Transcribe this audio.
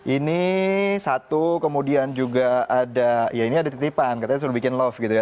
ini satu kemudian juga ada ya ini ada titipan katanya suruh bikin love gitu ya